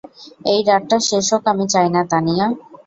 এই রাতটা শেষ হোক আমি চাই না, তানিয়া।